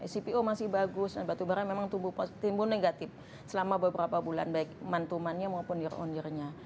cpo masih bagus dan batu bara memang tumbuh timbul negatif selama beberapa bulan baik mantumannya maupun year on year nya